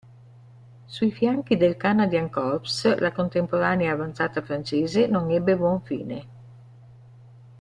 Sui fianchi del "Canadian Corps", la contemporanea avanzata francese non ebbe buon fine.